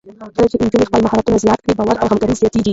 کله چې نجونې خپل مهارت شریک کړي، باور او همکاري زیاتېږي.